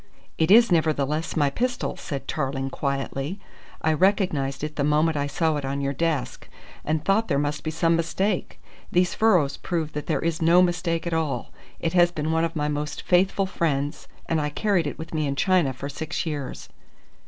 "It is nevertheless my pistol," said Tarling quietly. "I recognised it the moment I saw it on your desk, and thought there must be some mistake. These furrows prove that there is no mistake at all. It has been one of my most faithful friends, and I carried it with me in China for six years."